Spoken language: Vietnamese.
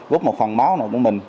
góp một phần máu nào của mình